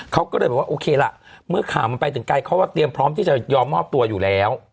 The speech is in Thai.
เขาก็เลยบอกว่าโอเคล่ะเมื่อข่าวมันไปถึงไกลเขาว่าเตรียมพร้อมที่จะยอมมอบตัวอยู่แล้ว